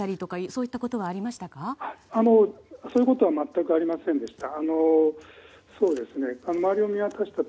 そういうことは全くありませんでした。